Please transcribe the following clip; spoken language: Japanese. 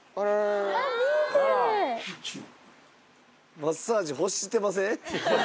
マッサージ欲してません？